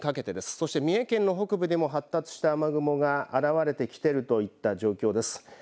そして三重県の北部でも発達した雨雲が現れてきているといった状況です。